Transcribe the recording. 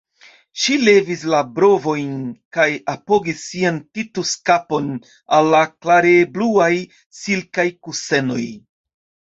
Ŝi levis la brovojn kaj apogis sian Titus-kapon al la klarebluaj silkaj kusenoj.